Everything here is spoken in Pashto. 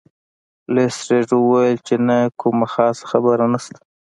لیسټرډ وویل چې نه کومه خاصه خبره نشته.